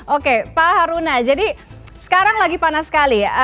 oke pak haruna jadi sekarang lagi panas sekali ya